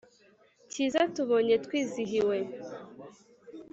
Cyiza tubonye twizihiwe